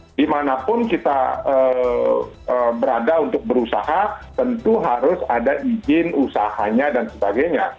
nah dimanapun kita berada untuk berusaha tentu harus ada izin usahanya dan sebagainya